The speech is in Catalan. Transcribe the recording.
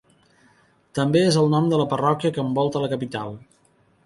També és el nom de la parròquia que envolta la capital.